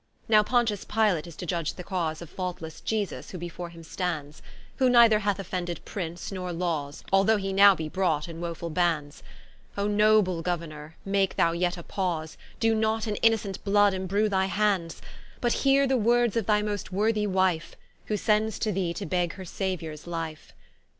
Now Pontius Pilate is to judge the Cause Of faultlesse Iesus, who before him stands; Who neither hath offended Prince, nor Lawes, Although he now be brought in woefull bands: O noble Gouernour, make thou yet a pause, Doe not in innocent blood imbrue thy hands; But heare the words of thy most worthy wife, Who sends to thee, to beg her Sauiours life.